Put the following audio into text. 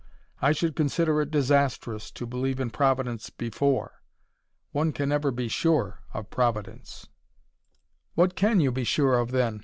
I should consider it disastrous to believe in Providence BEFORE. One can never be SURE of Providence." "What can you be sure of, then?"